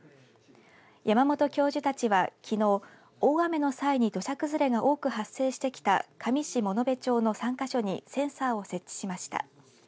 山本教授たちは、きのう大雨の際に土砂崩れの多く発生してきた香美市物部町の３か所にセンサーを設置しました。